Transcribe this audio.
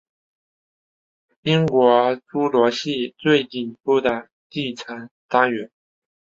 英国侏罗系最顶部的地层单元。